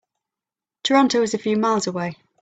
Toronto is a few miles away.